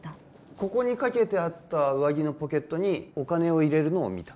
ここに掛けてあった上着のポケットにお金を入れるのを見た？